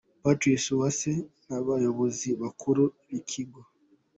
Patricie Uwase n’abayobozi bakuru b’iki kigo.